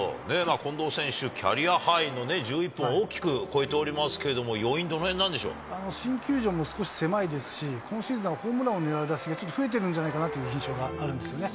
近藤選手、キャリアハイの１１本を大きく超えておりますけれども、要因、新球場も少し狭いですし、今シーズンはホームランを狙う打席がちょっと増えてるんじゃないかなという印象があるんですよね。